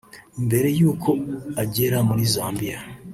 Mbere y’uko agera muri Zambia